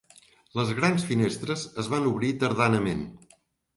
Les grans finestres es van obrir tardanament.